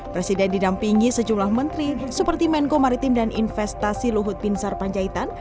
presiden didampingi sejumlah menteri seperti menko maritim dan investasi luhut pinsar panjaitan